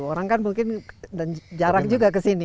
orang kan mungkin dan jarak juga ke sini